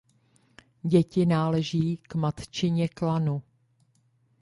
Děti náleží k matčině klanu.